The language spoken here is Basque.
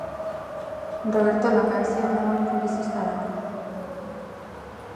Roberto langabezian dagoen publizista da.